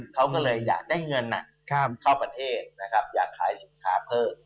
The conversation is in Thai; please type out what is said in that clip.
เขาก็เลยอยากได้เงินเข้าประเทศนะครับอยากขายสินค้าเพิ่ม